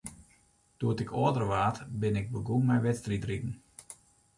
Doe't ik âlder waard, bin ik begûn mei wedstriidriden.